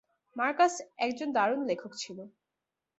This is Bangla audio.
মার্কাস একজন দারুণ লেখক ছিল।